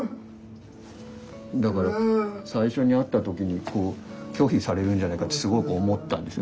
だから最初に会った時に拒否されるんじゃないかってすごく思ったんですよ。